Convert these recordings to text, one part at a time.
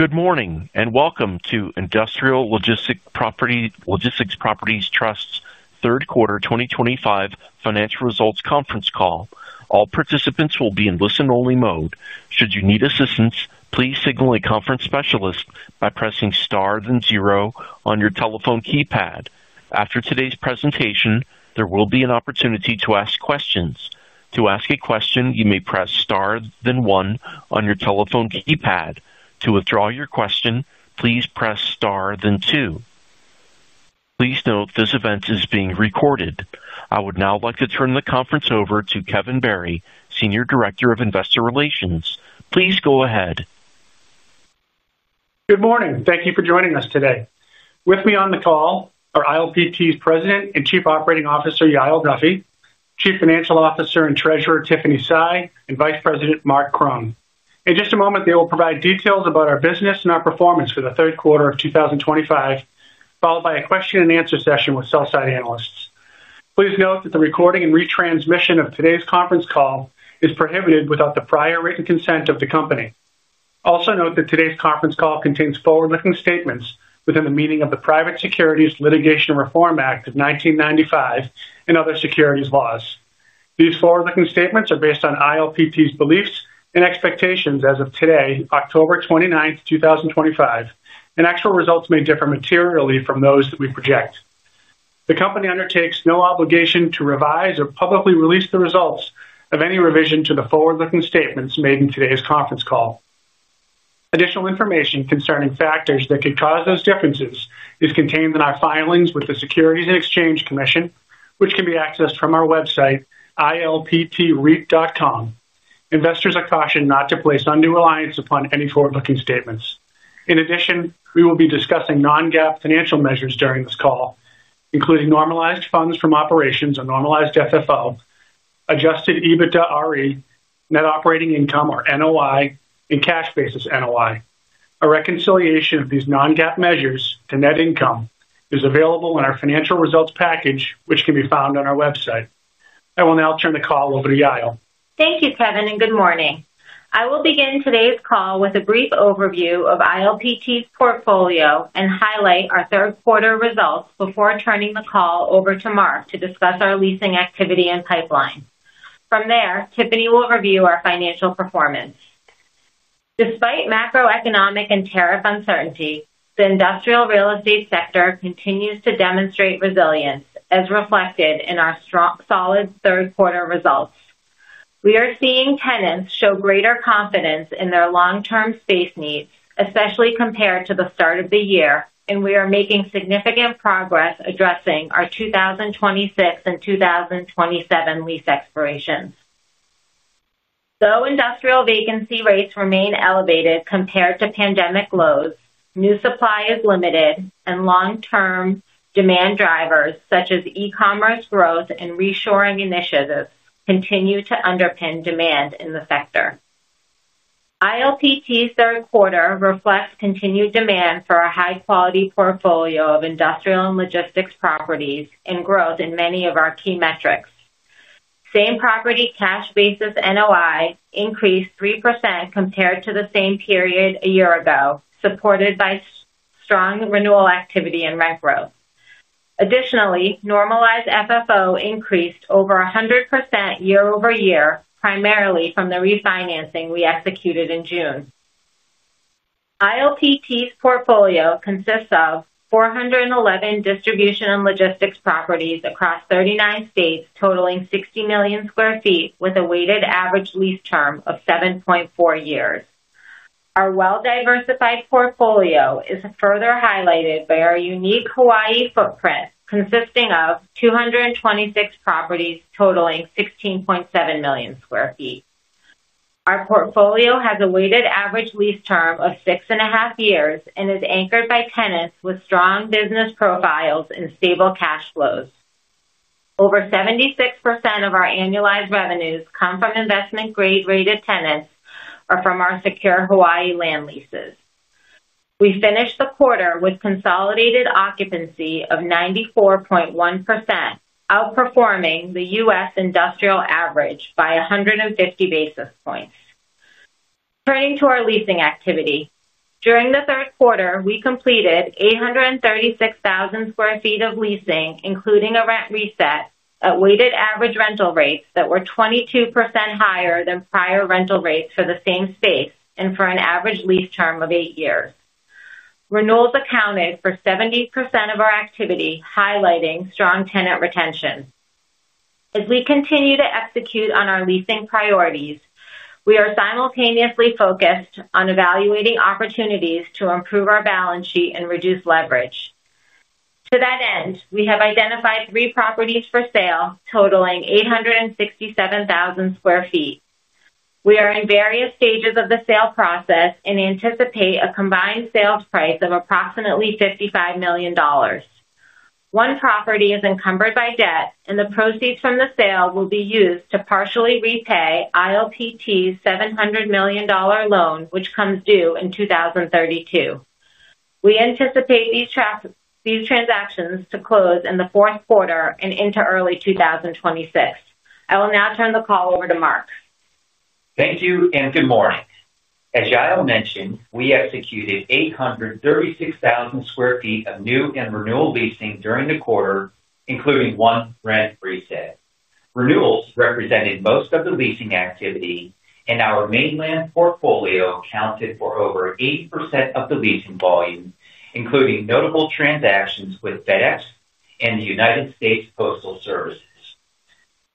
Good morning and welcome to Industrial Logistics Properties Trust's third quarter 2025 financial results conference call. All participants will be in listen-only mode. Should you need assistance, please signal a conference specialist by pressing star, then zero on your telephone keypad. After today's presentation, there will be an opportunity to ask questions. To ask a question, you may press star, then one on your telephone keypad. To withdraw your question, please press star, then two. Please note this event is being recorded. I would now like to turn the conference over to Kevin Barry, Senior Director of Investor Relations. Please go ahead. Good morning. Thank you for joining us today. With me on the call are ILPT's President and Chief Operating Officer, Yael Duffy, Chief Financial Officer and Treasurer, Tiffany Sy, and Vice President, Marc Krohn. In just a moment, they will provide details about our business and our performance for the third quarter of 2025, followed by a question and answer session with sell-side analysts. Please note that the recording and retransmission of today's conference call is prohibited without the prior written consent of the company. Also note that today's conference call contains forward-looking statements within the meaning of the Private Securities Litigation Reform Act of 1995 and other securities laws. These forward-looking statements are based on ILPT's beliefs and expectations as of today, October 29, 2025, and actual results may differ materially from those that we project. The company undertakes no obligation to revise or publicly release the results of any revision to the forward-looking statements made in today's conference call. Additional information concerning factors that could cause those differences is contained in our filings with the Securities and Exchange Commission, which can be accessed from our website, ilptreit.com. Investors are cautioned not to place undue reliance upon any forward-looking statements. In addition, we will be discussing non-GAAP financial measures during this call, including normalized funds from operations or normalized FFO, adjusted EBITDA-RE, net operating income or NOI, and cash basis NOI. A reconciliation of these non-GAAP measures to net income is available in our financial results package, which can be found on our website. I will now turn the call over to Yael. Thank you, Kevin, and good morning. I will begin today's call with a brief overview of ILPT's portfolio and highlight our third quarter results before turning the call over to Marc to discuss our leasing activity and pipeline. From there, Tiffany will review our financial performance. Despite macroeconomic and tariff uncertainty, the industrial real estate sector continues to demonstrate resilience, as reflected in our solid third quarter results. We are seeing tenants show greater confidence in their long-term space needs, especially compared to the start of the year, and we are making significant progress addressing our 2026 and 2027 lease expirations. Though industrial vacancy rates remain elevated compared to pandemic lows, new supply is limited, and long-term demand drivers, such as e-commerce growth and reshoring initiatives, continue to underpin demand in the sector. ILPT's third quarter reflects continued demand for a high-quality portfolio of industrial and logistics properties and growth in many of our key metrics. Same property cash basis NOI increased 3% compared to the same period a year ago, supported by strong renewal activity and rent growth. Additionally, normalized FFO increased over 100% year-over-year, primarily from the refinancing we executed in June. ILPT's portfolio consists of 411 distribution and logistics properties across 39 states, totaling 60 million sq ft, with a weighted average lease term of 7.4 years. Our well-diversified portfolio is further highlighted by our unique Hawaii footprint, consisting of 226 properties totaling 16.7 million sq ft. Our portfolio has a weighted average lease term of six and a half years and is anchored by tenants with strong business profiles and stable cash flows. Over 76% of our annualized revenues come from investment-grade rated tenants or from our secure Hawaii land leases. We finished the quarter with consolidated occupancy of 94.1%, outperforming the U.S. industrial average by 150 basis points. Turning to our leasing activity, during the third quarter, we completed 836,000 sq ft of leasing, including a rent reset at weighted average rental rates that were 22% higher than prior rental rates for the same space and for an average lease term of eight years. Renewals accounted for 70% of our activity, highlighting strong tenant retention. As we continue to execute on our leasing priorities, we are simultaneously focused on evaluating opportunities to improve our balance sheet and reduce leverage. To that end, we have identified three properties for sale totaling 867,000 sq ft. We are in various stages of the sale process and anticipate a combined sales price of approximately $55 million. One property is encumbered by debt, and the proceeds from the sale will be used to partially repay ILPT's $700 million loan, which comes due in 2032. We anticipate these transactions to close in the fourth quarter and into early 2026. I will now turn the call over to Marc. Thank you and good morning. As Yael mentioned, we executed 836,000 sq ft of new and renewal leasing during the quarter, including one rent reset. Renewals represented most of the leasing activity, and our mainland portfolio accounted for over 80% of the leasing volume, including notable transactions with FedEx and the United States Postal Service.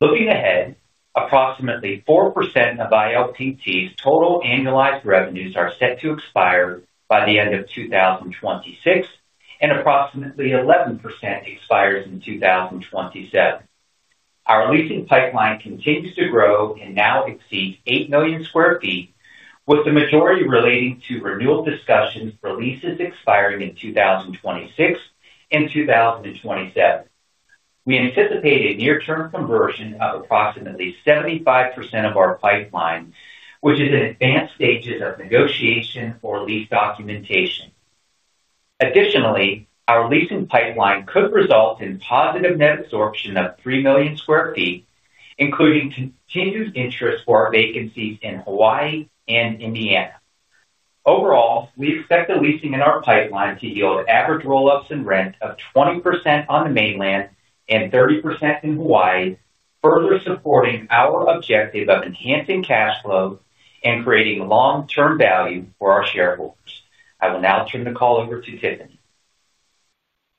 Looking ahead, approximately 4% of ILPT's total annualized revenues are set to expire by the end of 2026, and approximately 11% expires in 2027. Our leasing pipeline continues to grow and now exceeds 8 million square feet, with the majority relating to renewal discussions for leases expiring in 2026 and 2027. We anticipate a near-term conversion of approximately 75% of our pipeline, which is in advanced stages of negotiation or lease documentation. Additionally, our leasing pipeline could result in positive net absorption of 3 million sq ft, including continued interest for our vacancies in Hawaii and Indiana. Overall, we expect the leasing in our pipeline to yield average roll-ups in rent of 20% on the mainland and 30% in Hawaii, further supporting our objective of enhancing cash flows and creating long-term value for our shareholders. I will now turn the call over to Tiffany.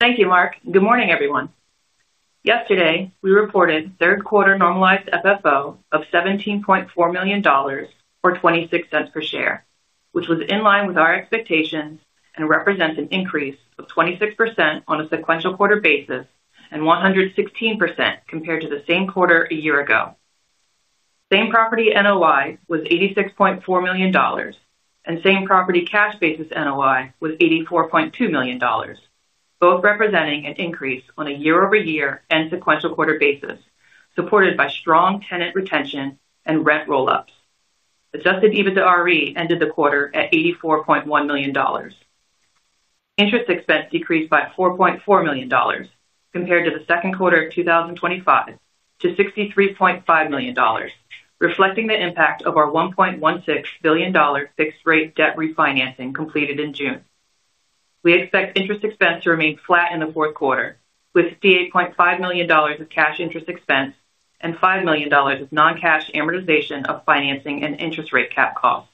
Thank you, Marc. Good morning, everyone. Yesterday, we reported third-quarter normalized FFO of $17.4 million or $0.26 per share, which was in line with our expectations and represents an increase of 26% on a sequential quarter basis and 116% compared to the same quarter a year ago. Same property NOI was $86.4 million, and same property cash basis NOI was $84.2 million, both representing an increase on a year-over-year and sequential quarter basis, supported by strong tenant retention and rent roll-ups. Adjusted EBITDA-RE ended the quarter at $84.1 million. Interest expense decreased by $4.4 million compared to the second quarter of 2025 to $63.5 million, reflecting the impact of our $1.16 billion fixed-rate debt refinancing completed in June. We expect interest expense to remain flat in the fourth quarter, with $58.5 million of cash interest expense and $5 million of non-cash amortization of financing and interest rate cap costs.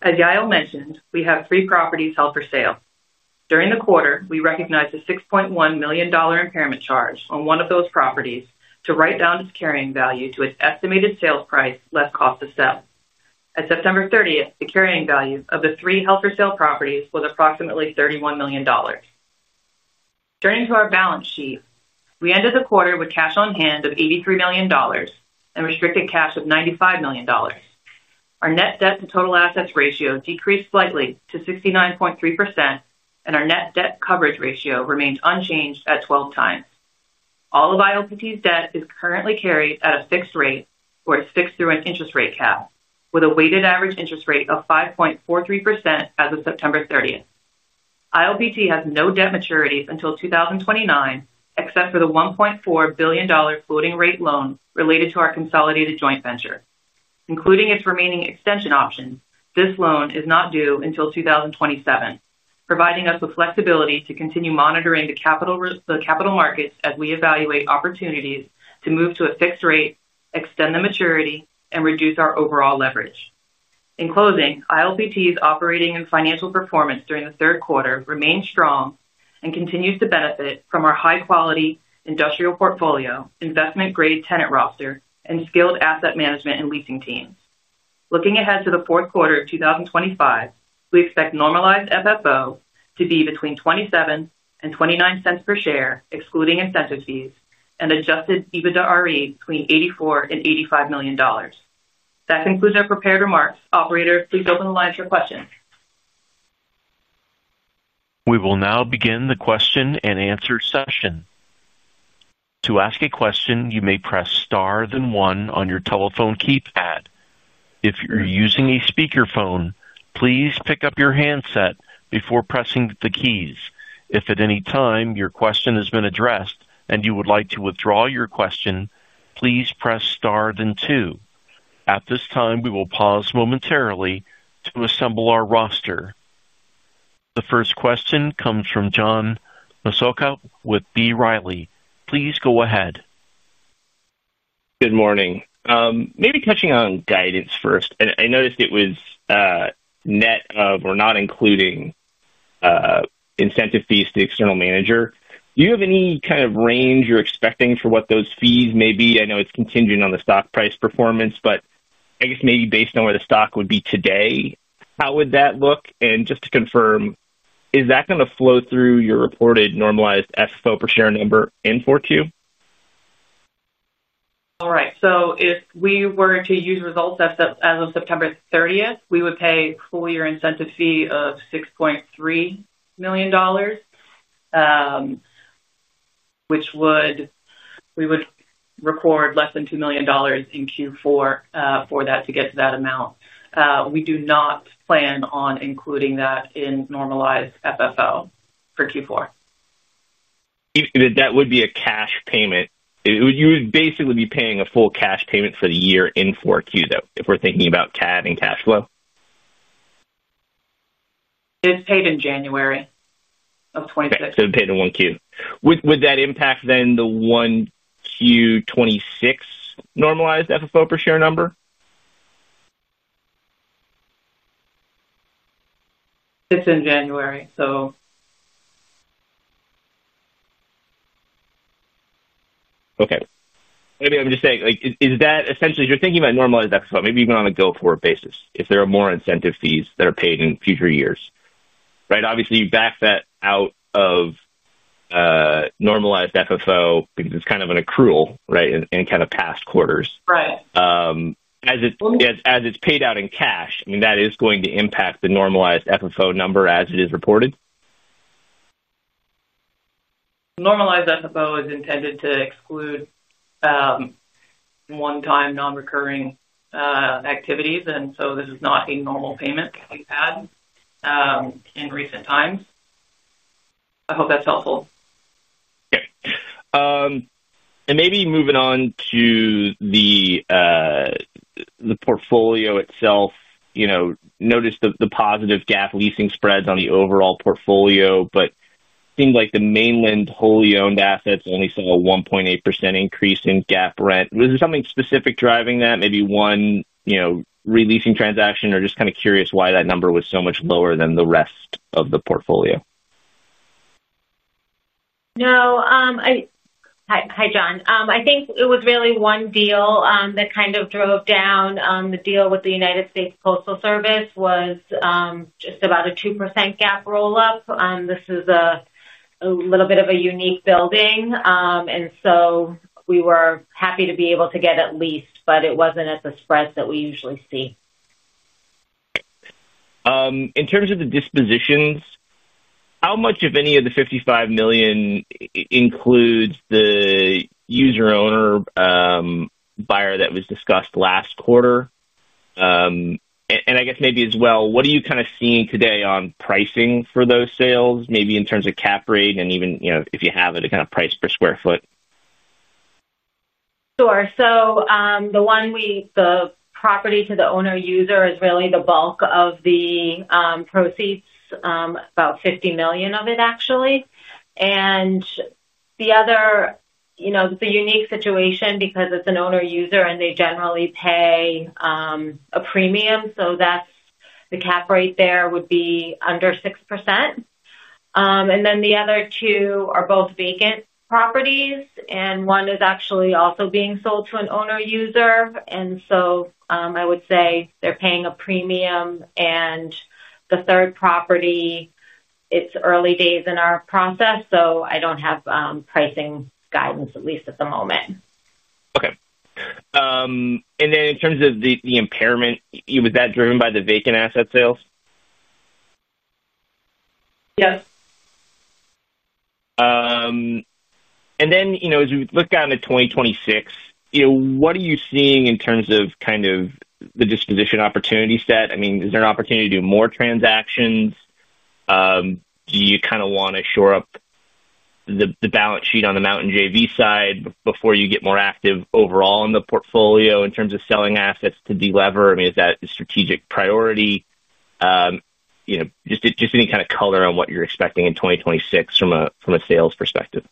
As Yael mentioned, we have three properties held for sale. During the quarter, we recognized a $6.1 million impairment charge on one of those properties to write down its carrying value to its estimated sales price less cost to sell. At September 30th, the carrying value of the three held-for-sale properties was approximately $31 million. Turning to our balance sheet, we ended the quarter with cash on hand of $83 million and restricted cash of $95 million. Our net debt-to-total assets ratio decreased slightly to 69.3%, and our net debt coverage ratio remains unchanged at 12x. All of ILPT's debt is currently carried at a fixed rate or is fixed through an interest rate cap, with a weighted average interest rate of 5.43% as of September 30th. ILPT has no debt maturities until 2029, except for the $1.4 billion floating rate loan related to our consolidated joint venture. Including its remaining extension options, this loan is not due until 2027, providing us with flexibility to continue monitoring the capital markets as we evaluate opportunities to move to a fixed rate, extend the maturity, and reduce our overall leverage. In closing, ILPT's operating and financial performance during the third quarter remains strong and continues to benefit from our high-quality industrial portfolio, investment-grade tenant roster, and skilled asset management and leasing teams. Looking ahead to the fourth quarter of 2025, we expect normalized FFO to be between $0.27-$0.29 per share, excluding incentive fees, and adjusted EBITDA-RE between $84 million-$85 million. That concludes our prepared remarks. Operator, please open the line for questions. We will now begin the question-and-answer session. To ask a question, you may press star, then one on your telephone keypad. If you're using a speakerphone, please pick up your handset before pressing the keys. If at any time your question has been addressed and you would like to withdraw your question, please press star, then two. At this time, we will pause momentarily to assemble our roster. The first question comes from John Massocca with B. Riley. Please go ahead. Good morning. Maybe touching on guidance first, I noticed it was a net of or not including incentive fees to the external manager. Do you have any kind of range you're expecting for what those fees may be? I know it's contingent on the stock price performance, but I guess maybe based on where the stock would be today, how would that look? Just to confirm, is that going to flow through your reported normalized FFO per share number in Fortune? All right. If we were to use results as of September 30, we would pay a full-year incentive fee of $6.3 million, which would mean we would record less than $2 million in Q4 for that to get to that amount. We do not plan on including that in normalized FFO for Q4. That would be a cash payment. You would basically be paying a full cash payment for the year in Q4, though, if we're thinking about CAD and cash flow. It's paid in January of 2026. Okay. It's paid in 1Q. Would that impact then the 1Q 2026 normalized FFO per share number? It's in January. Okay. Maybe I'm just saying, like, is that essentially, if you're thinking about normalized FFO, maybe even on a go-forward basis, if there are more incentive fees that are paid in future years, right? Obviously, you back that out of normalized FFO because it's kind of an accrual, right, in kind of past quarters. Right. As it's paid out in cash, I mean, that is going to impact the normalized FFO number as it is reported? Normalized FFO is intended to exclude one-time non-recurring activities, and this is not a normal payment that we've had in recent times. I hope that's helpful. Okay. Maybe moving on to the portfolio itself, you know, noticed the positive GAAP leasing spreads on the overall portfolio, but seemed like the mainland wholly owned assets only saw a 1.8% increase in GAAP rent. Was there something specific driving that? Maybe one re-leasing transaction, or just kind of curious why that number was so much lower than the rest of the portfolio. No. Hi, John. I think it was really one deal that kind of drove down. The deal with the United States Postal Service was just about a 2% GAAP roll-up. This is a little bit of a unique building, and we were happy to be able to get it leased, but it wasn't at the spreads that we usually see. Okay. In terms of the dispositions, how much, if any, of the $55 million includes the user-owner-buyer that was discussed last quarter? I guess maybe as well, what are you kind of seeing today on pricing for those sales, maybe in terms of cap rate and even, you know, if you have it, a kind of price per square foot? Sure. The property to the owner-user is really the bulk of the proceeds, about $50 million of it, actually. The other is a unique situation because it's an owner-user and they generally pay a premium, so the cap rate there would be under 6%. The other two are both vacant properties, and one is actually also being sold to an owner-user. I would say they're paying a premium. The third property, it's early days in our process, so I don't have pricing guidance, at least at the moment. Okay. In terms of the impairment, was that driven by the vacant asset sales? Yes. As we look down to 2026, what are you seeing in terms of the disposition opportunity set? Is there an opportunity to do more transactions? Do you want to shore up the balance sheet on the Mountain JV side before you get more active overall in the portfolio in terms of selling assets to delever? Is that a strategic priority? Any color on what you're expecting in 2026 from a sales perspective?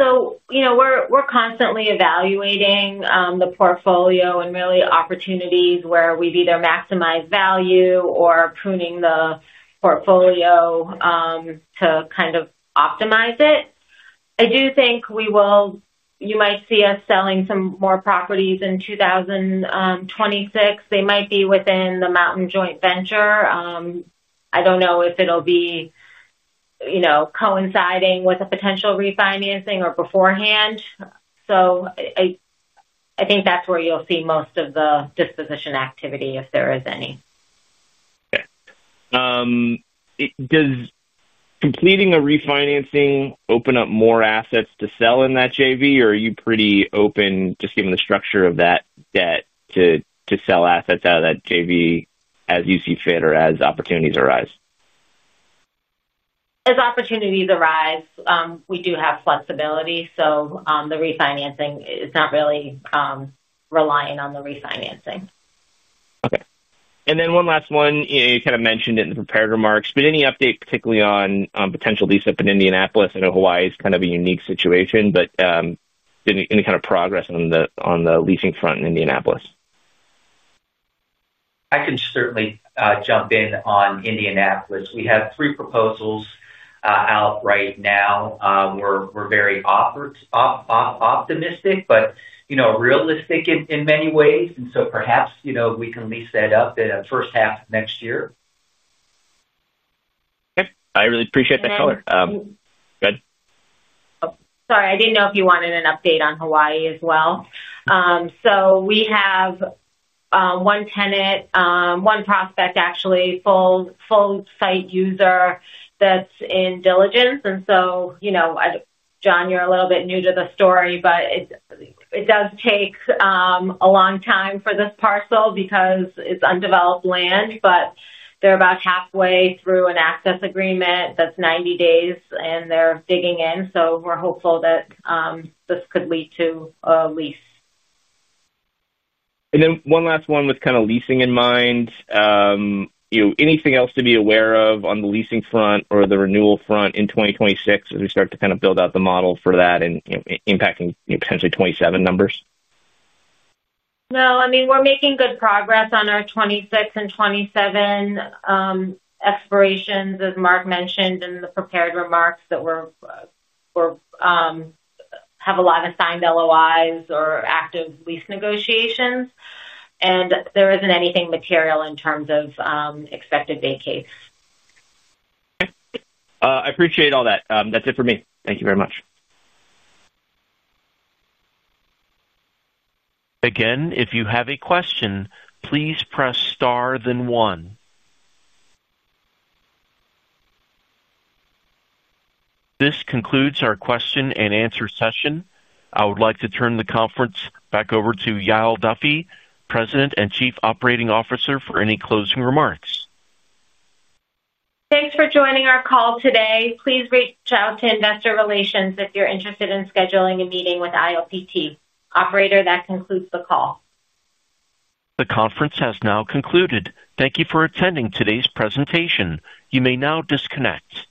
We're constantly evaluating the portfolio and really opportunities where we've either maximized value or pruning the portfolio to kind of optimize it. I do think you might see us selling some more properties in 2026. They might be within the Mountain joint venture. I don't know if it'll be coinciding with a potential refinancing or beforehand. I think that's where you'll see most of the disposition activity, if there is any. Okay. Does completing a refinancing open up more assets to sell in that Mountain JV, or are you pretty open just given the structure of that debt to sell assets out of that Mountain JV as you see fit or as opportunities arise? As opportunities arise, we do have flexibility. The refinancing, it's not really reliant on the refinancing. Okay. One last one, you kind of mentioned it in the prepared remarks, but any update particularly on potential lease up in Indianapolis? I know Hawaii is kind of a unique situation, but any kind of progress on the leasing front in Indianapolis? I can certainly jump in on Indianapolis. We have three proposals out right now. We're very optimistic, but realistic in many ways. Perhaps we can lease that up in the first half of next year. Okay, I really appreciate that color. Thank you. Go ahead. Sorry. I didn't know if you wanted an update on Hawaii as well. We have one tenant, one prospect actually, full-site user that's in diligence. John, you're a little bit new to the story, but it does take a long time for this parcel because it's undeveloped land. They're about halfway through an access agreement that's 90 days, and they're digging in. We're hopeful that this could lead to a lease. One last one with kind of leasing in mind. You know, anything else to be aware of on the leasing front or the renewal front in 2026 as we start to kind of build out the model for that and impacting potentially 2027 numbers? No. I mean, we're making good progress on our 2026 and 2027 expirations, as Marc mentioned in the prepared remarks, that we have a lot of signed LOIs or active lease negotiations. There isn't anything material in terms of expected vacates. Okay. I appreciate all that. That's it for me. Thank you very much. Again, if you have a question, please press star, then one. This concludes our question and answer session. I would like to turn the conference back over to Yael Duffy, President and Chief Operating Officer, for any closing remarks. Thanks for joining our call today. Please reach out to Investor Relations if you're interested in scheduling a meeting with ILPT. Operator, that concludes the call. The conference has now concluded. Thank you for attending today's presentation. You may now disconnect.